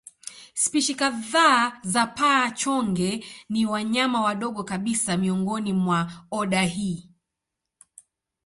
Spishi kadhaa za paa-chonge ni wanyama wadogo kabisa miongoni mwa oda hii.